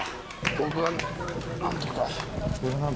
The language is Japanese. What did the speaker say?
僕もなんとか。